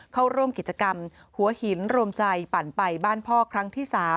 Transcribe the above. เข้าร่วมกิจกรรมหัวหินรวมใจปั่นไปบ้านพ่อครั้งที่๓